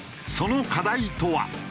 その課題とは？